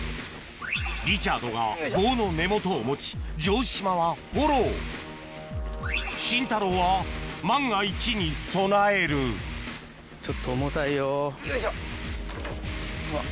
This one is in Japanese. リチャードが棒の根元を持ち城島はフォローシンタローは万が一に備えるよいしょ。